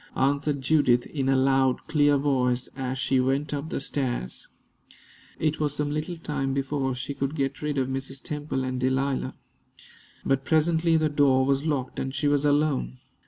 answered Judith, in a loud, clear voice, as she went up the stairs. It was some little time before she could get rid of Mrs. Temple and Delilah. But presently the door was locked, and she was alone.